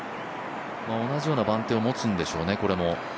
同じような番手を持つんでしょうね。